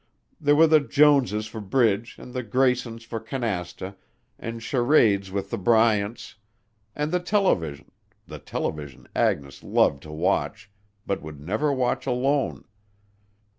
There were the Jones' for bridge and the Graysons' for canasta and charades with the Bryants. And the television, the television Agnes loved to watch, but would never watch alone.